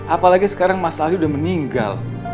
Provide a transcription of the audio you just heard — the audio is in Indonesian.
apalagi sekarang mas aldi udah meninggal